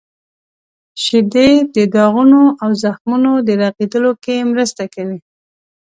• شیدې د داغونو او زخمونو د رغیدو کې مرسته کوي.